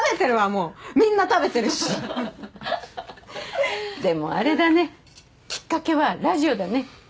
もうみんな食べてるしははははっでもあれだねきっかけはラジオだね